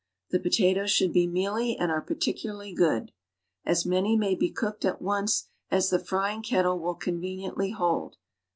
The pota toes should be mealy and are particularly good. As many may be cooked at once as the frying kettle will conveniently hold.